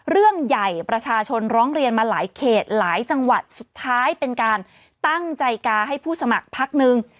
เรื่องใหญ่ประชาชนร้องเรียนมาหลายเขตหลายจังหวัดสุดท้ายเป็นการตั้งใจกาให้ผู้สมัครพักหนึ่ง